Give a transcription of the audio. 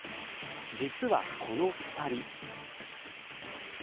実はこの２人。